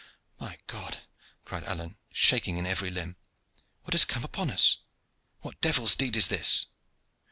"My God!" cried Alleyne, shaking in every limb. "What has come upon us? What devil's deed is this?"